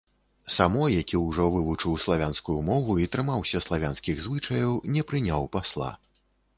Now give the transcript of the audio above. Само, які ўжо вывучыў славянскую мову і трымаўся славянскіх звычаяў, не прыняў пасла.